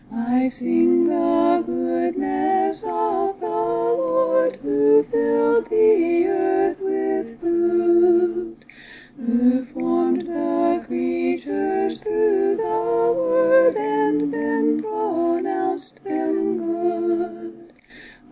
I sing the goodness of the Lord, who filled the earth with food, Who formed the creatures through the Word, and then pronounced them good.